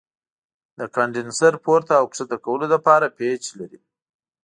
د کاندنسر پورته او ښکته کولو لپاره پیچ لري.